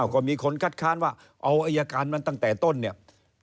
ก็มีคนคัดค้านว่าเอาอายการมาตั้งแต่ต้นเนี่ย